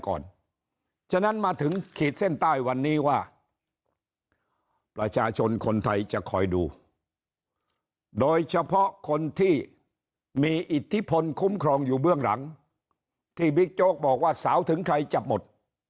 ฉะนั้นมาถึงขีดเส้นใต้วันนี้ว่าประชาชนคนไทยจะคอยดูโดยเฉพาะคนที่มีอิทธิพลคุ้มครองอยู่เบื้องหลังที่บิ๊กโจ๊กบอกว่าสาวถึงใครจับหมด